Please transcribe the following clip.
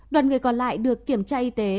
đoàn người còn lại được kiểm tra y tế